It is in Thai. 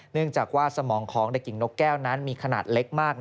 เนื่องจากว่าสมองของเด็กหญิงนกแก้วนั้นมีขนาดเล็กมาก